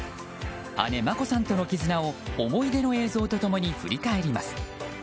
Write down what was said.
姉・眞子さんとの絆を思い出の映像と共に振り返ります。